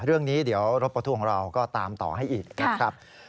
เรื่องนี้เดี๋ยวรถประทุกของเราก็ตามต่อให้อีกนะครับ